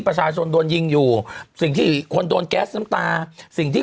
ประชาชนโดนยิงอยู่สิ่งที่คนโดนแก๊สน้ำตาสิ่งที่